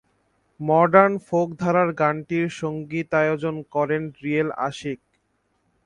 Modern folk ধারার গানটির সঙ্গীতায়োজন করেন রিয়েল আশিক।